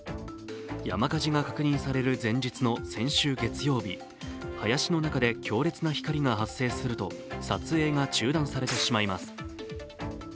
山火事が確認される前日の先週月曜日、林の中で強烈な光が発生すると、撮影が中断されてしまいます。